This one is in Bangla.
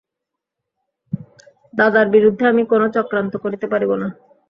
দাদার বিরুদ্ধে আমি কোনো চক্রান্ত করিতে পারিব না।